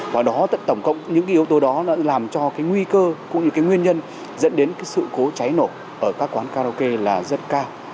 và tổng cộng những yếu tố đó làm cho nguy cơ cũng như nguyên nhân dẫn đến sự cố cháy nổ ở các quán karaoke là rất cao